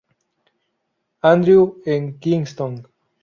Andrew en Kingston.